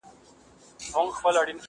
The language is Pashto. د یوې ورځي لګښت خواست یې ترې وکړ٫